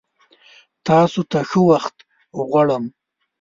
تاسو ته ښه وخت غوړم!